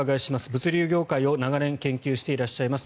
物流業界を長年研究していらっしゃいます